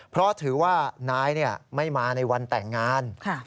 เพราะถือว่านายไม่มาในวันแต่งงาน